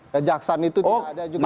kejaksan itu tidak ada juga